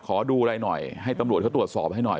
ขอดูอะไรหน่อยให้ตำรวจเขาตรวจสอบให้หน่อย